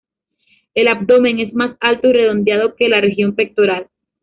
El abdomen es más alto y redondeado que la región pectoral.